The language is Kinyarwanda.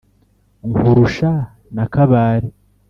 Nkurusha na Kabare